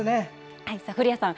古谷さん